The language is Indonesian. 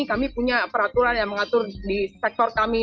kami punya peraturan yang mengatur di sektor kami